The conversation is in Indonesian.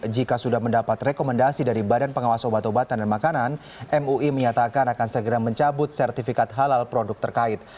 jika sudah mendapat rekomendasi dari badan pengawas obat obatan dan makanan mui menyatakan akan segera mencabut sertifikat halal produk terkait